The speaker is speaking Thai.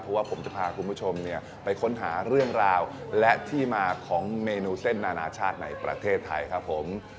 เพราะว่าผมจะพาคุณผู้ชมไปค้นหาเรื่องราวและที่มาของเมนูเส้นนานาชาติในประเทศไทยครับผม